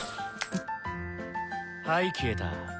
はい消えた。